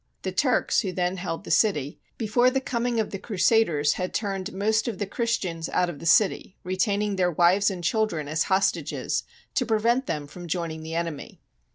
The Turks, who then held the city, before the coming of the Crusaders had turned most of the An Army of Crusaders SIEGE OF ANTIOCH Christians out of the city, retaining their wives and children as hostages to prevent them from joining the enemy.